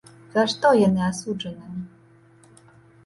За што яны асуджаныя?